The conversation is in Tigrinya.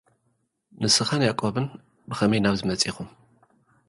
ንስኻን ያዕቆብን ብኸመይ ናብዚ መጺኹም?